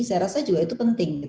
saya rasa juga itu penting